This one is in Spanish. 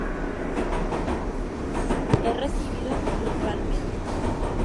Al regresar a Moscú, es recibido triunfalmente.